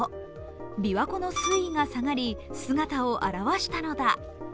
びわ湖の水位が下がり姿を現したのだ。